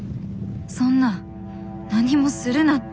そんな何もするなって